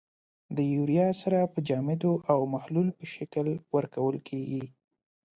د یوریا سره په جامدو او محلول په شکل ورکول کیږي.